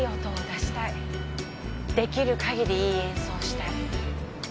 出来る限りいい演奏をしたい。